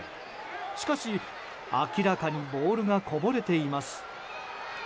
しかし、明らかにボールがこぼれています。